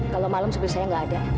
kalau malam supir saya nggak ada